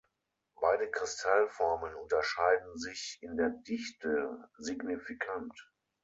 Beide Kristallformen unterscheiden sich in der Dichte signifikant.